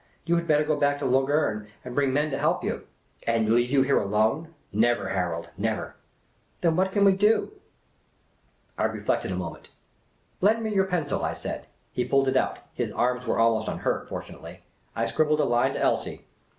You had better go back to Lungern and bring men to help you." " And leave you here alone ! Never, Harold ; never !"" Then what can we do ?" I reflected a moment. "Lend me your pencil," I said. He pulled it out — his arms were almost unhurt, fortun ately. I scribbled a line to Elsie.